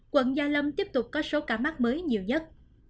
quận gia lâm tiếp tục có số ca mắc mới nhiều nhất